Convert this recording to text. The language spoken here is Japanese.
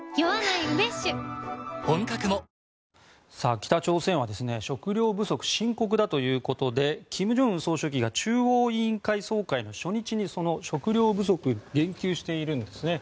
北朝鮮は食糧不足が深刻だということで金正恩総書記が中央委員会の初日にその食糧不足に言及しています。